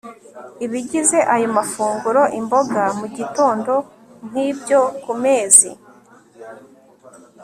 ibigize ayo mafunguro Imboga Mu gitondo nkibyo ku mezi